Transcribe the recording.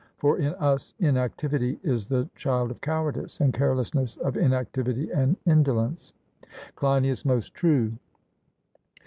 For in us inactivity is the child of cowardice, and carelessness of inactivity and indolence. CLEINIAS: Most true.